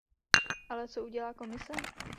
Ale co udělá Komise?